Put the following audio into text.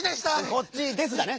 「こっちです」だね。